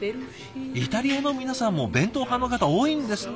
イタリアの皆さんも弁当派の方多いんですね。